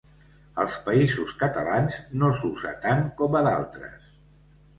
Als Països Catalans no s'usa tant com a d'altres.